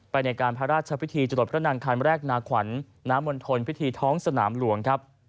ไปในการพระราชภิษฐีจุดพระนางคารแรกนาขวัญนามนธนภิษฐีท้องสนามหลวง